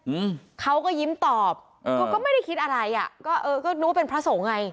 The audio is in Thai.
อืมเขาก็ยิ้มตอบเออเขาก็ไม่ได้คิดอะไรอ่ะก็เออก็รู้ว่าเป็นพระสงฆ์ไง